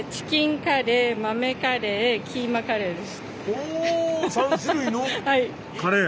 ほう３種類のカレー？